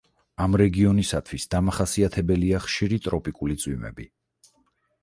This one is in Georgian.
ამ რეგიონისათვის დამახასიათებელია ხშირი ტროპიკული წვიმები.